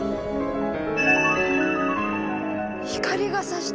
光がさした。